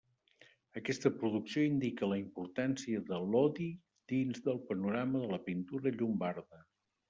Aquesta producció indica la importància de Lodi dins del panorama de la pintura llombarda.